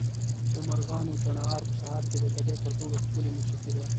د مرغانو چڼهار په سهار کې د طبیعت تر ټولو ښکلې موسیقي ده.